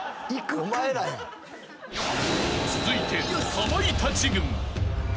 ［続いて］